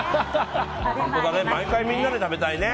毎回みんなで食べたいね。